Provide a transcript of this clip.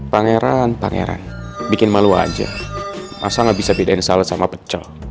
pangeran pangeran bikin malu aja masa gak bisa bedain salad sama pecel